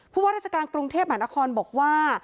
ว่าราชการกรุงเทพมหานครบอกว่า